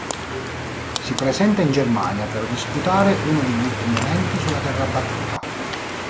Si ripresenta in Germania per disputare uno degli ultimi eventi sulla terra battuta.